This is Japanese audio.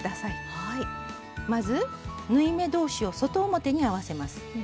まず縫い目同士を外表に合わせます。